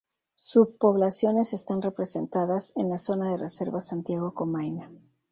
Subpoblaciones están representadas en la Zona de Reserva Santiago-Comaina.